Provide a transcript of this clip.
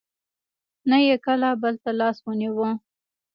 نه یې کله بل ته لاس ونېوه.